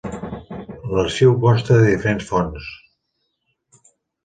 L'arxiu consta de diferents fons.